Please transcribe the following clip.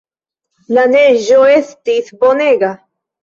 La neĝo estis bonega.